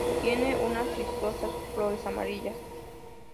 Tiene unas vistosas flores amarillas.